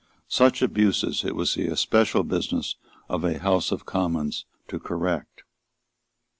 Such abuses it was the especial business of a House of Commons to correct.